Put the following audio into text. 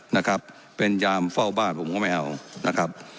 นะครับเป็นยามเฝ้าบ้านผมก็ไม่เอานะครับ